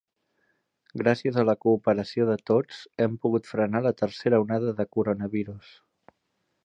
“Gràcies a la cooperació de tots, hem pogut frenar” la tercera onada de coronavirus.